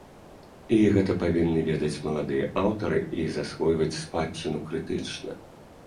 І гэта павінны ведаць маладыя аўтары і засвойваць спадчыну крытычна.